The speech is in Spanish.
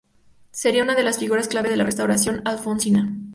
Sería una de las figuras clave de la Restauración alfonsina.